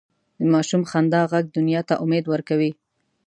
د ماشوم خندا ږغ دنیا ته امید ورکوي.